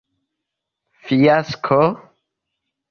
Fiasko?